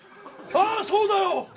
ああそうだよ！